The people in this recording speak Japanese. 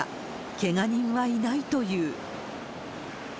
けが人はいないという。